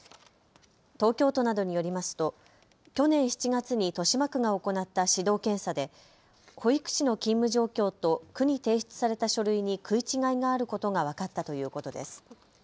東京都などによりますと去年７月に豊島区が行った指導検査で保育士の勤務状況と区に提出された書類に食い違いがあることが分かったということです。